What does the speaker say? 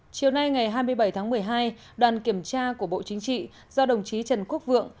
chiều nay ngày hai mươi bảy tháng một mươi hai đoàn kiểm tra của bộ chính trị do đồng chí trần quốc vượng